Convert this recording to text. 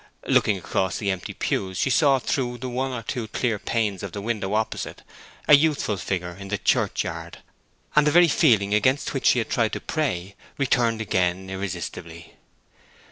Looking across the empty pews she saw through the one or two clear panes of the window opposite a youthful figure in the churchyard, and the very feeling against which she had tried to pray returned again irresistibly.